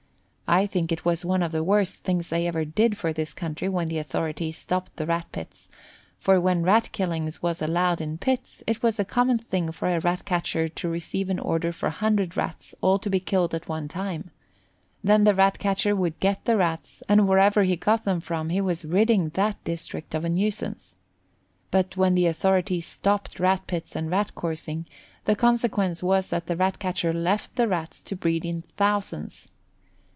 I think it was one of the worst things they ever did for this country when the authorities stopped the Rat pits, for when Rat killing was allowed in pits, it was a common thing for a Rat catcher to receive an order for 100 Rats, all to be killed at one time; then the Rat catcher would get the Rats and wherever he got them from he was ridding that district of a nuisance. But when the authorities stopped Rat pits and Rat coursing, the consequence was that the Rat catcher left the Rats to breed in thousands.